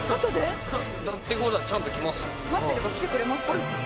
待ってれば来てくれますか？